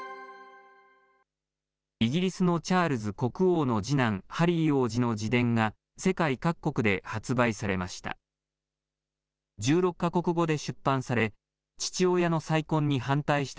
イギリスのチャールズ国王の次男、ハリー王子の自伝が、世界各国で発売されました。